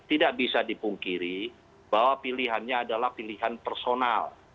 tidak bisa dipungkiri bahwa pilihannya adalah pilihan personal